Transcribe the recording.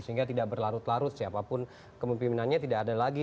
sehingga tidak berlarut larut siapapun kemimpinannya tidak ada lagi